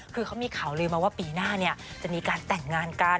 คือเขามีข่าวลืมมาว่าปีหน้าจะมีการแต่งงานกัน